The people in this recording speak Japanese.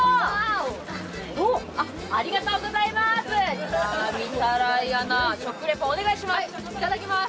ありがとうございます。